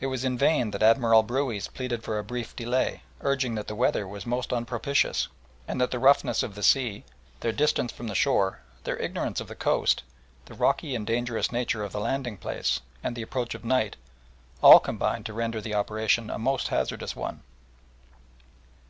It was in vain that Admiral Brueys pleaded for a brief delay, urging that the weather was most unpropitious, and that the roughness of the sea, their distance from the shore, their ignorance of the coast, the rocky and dangerous nature of the landing place, and the approach of night, all combined to render the operation a most hazardous one.